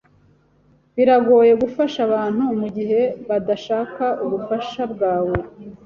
Biragoye gufasha abantu mugihe badashaka ubufasha bwawe.